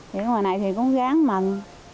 thì ngoài này thì cũng ráng mần